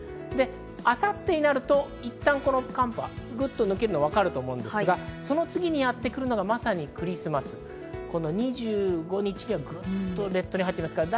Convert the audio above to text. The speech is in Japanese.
明後日になるといったん寒波が抜けるのがわかると思うんですが、その次にやってくるのがまさにクリスマス、２５日ではぐっと列島に入ってきます。